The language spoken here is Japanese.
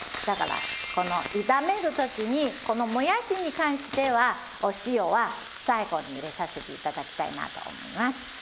だからこの炒める時にこのもやしに関してはお塩は最後に入れさせて頂きたいなと思います。